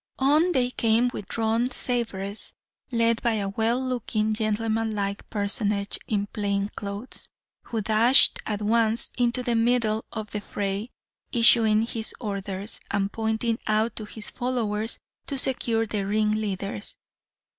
On they came with drawn sabres, led by a well looking, gentleman like personage in plain clothes, who dashed at once into the middle of the fray, issuing his orders, and pointing out to his followers to secure the ringleaders.